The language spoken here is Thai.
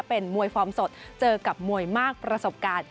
เป็นมวยฟอร์มสดเจอกับมวยมากประสบการณ์